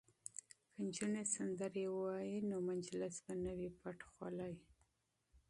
که نجونې سندرې ووايي نو مجلس به نه وي خاموش.